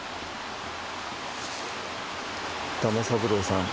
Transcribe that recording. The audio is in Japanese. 玉三郎さん